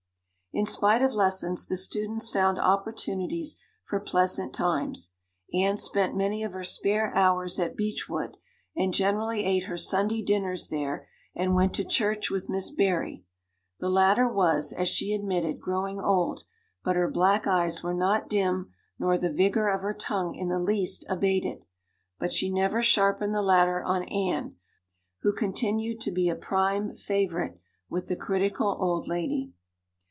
In spite of lessons the students found opportunities for pleasant times. Anne spent many of her spare hours at Beechwood and generally ate her Sunday dinners there and went to church with Miss Barry. The latter was, as she admitted, growing old, but her black eyes were not dim nor the vigor of her tongue in the least abated. But she never sharpened the latter on Anne, who continued to be a prime favorite with the critical old lady.